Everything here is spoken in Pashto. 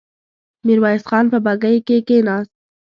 ميرويس خان په بګۍ کې کېناست.